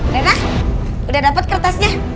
rena udah dapet kertasnya